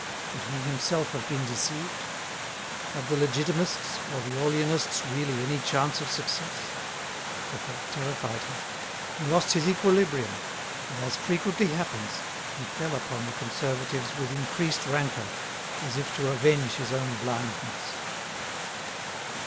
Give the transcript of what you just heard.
Could he himself have been deceived? Had the Legitimists or the Orleanists really any chance of success? The thought terrified him. He lost his equilibrium, and, as frequently happens, he fell upon the Conservatives with increased rancour, as if to avenge his own blindness.